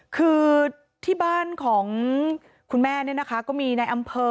คือที่บ้านของคุณแม่เนี่ยนะคะก็มีในอำเภอ